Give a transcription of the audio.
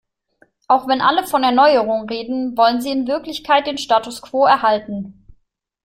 Auch wenn alle von Erneuerung reden, wollen sie in Wirklichkeit den Status quo erhalten.